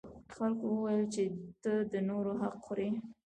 خلکو وویل چې ته د نورو حق خوري.